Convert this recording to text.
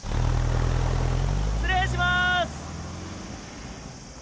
失礼します！